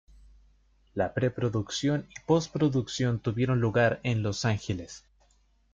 La pre-producción y post-producción tuvieron lugar en Los Ángeles.